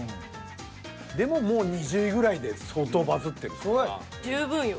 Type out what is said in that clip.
でももう２０位ぐらいで相当バズってるから。十分よ。